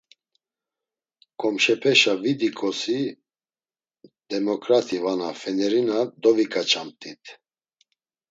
Komşepeşa vidiǩosi demoǩrati vana fenerina doviǩaçamt̆it.